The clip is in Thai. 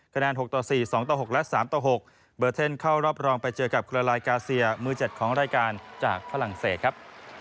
คะแนน๖ต่อ๔๒ต่อ๖และ๓ต่อ๖เบอร์เทนเข้ารอบรองไปเจอกับเครือลายกาเซียมือ๗ของรายการจากฝรั่งเศสครับ